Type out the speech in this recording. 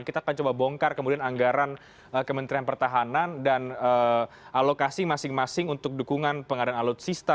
kita akan coba bongkar kemudian anggaran kementerian pertahanan dan alokasi masing masing untuk dukungan pengadaan alutsista